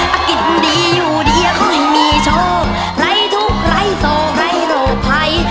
อากิจดีอยู่เดียเขาให้มีโชคไร้ทุกข์ไร้โศกไร้โรคภัย